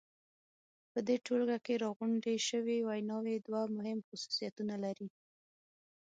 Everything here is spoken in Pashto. په دې ټولګه کې راغونډې شوې ویناوی دوه مهم خصوصیتونه لري.